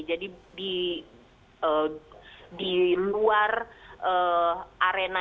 jadi di luar arena